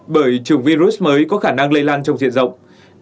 bởi chủng virus mới có khả năng lây lan trong diện rộng